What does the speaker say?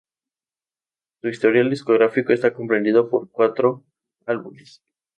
Su historial discográfico está comprendido por cuatro álbumes.